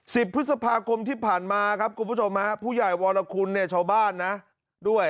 สิบพฤษภาคมที่ผ่านมาครับคุณผู้ชมฮะผู้ใหญ่วรคุณเนี่ยชาวบ้านนะด้วย